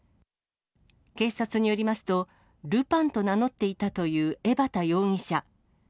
警察によりますと、ルパンと名乗っていたという江畑容疑者。